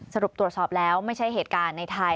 สรุปตรวจสอบแล้วไม่ใช่เหตุการณ์ในไทย